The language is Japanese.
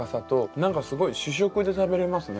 何かすごい主食で食べれますね。